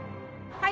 はい！